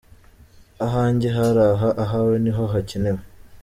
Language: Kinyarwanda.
Ahanjye hari aha, ahawe niho hakenewe.